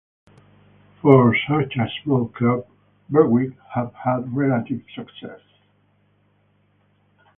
For such a small club, Berwick have had relative success.